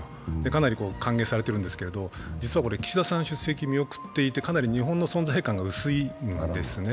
かなり歓迎されているんですけれども、実は、これ岸田さんは出席を見送っていてかなり日本の存在感が薄いんですね。